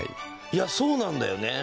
いやそうなんだよね。